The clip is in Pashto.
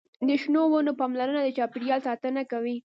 د شنو ونو پاملرنه د چاپیریال ساتنه کوي.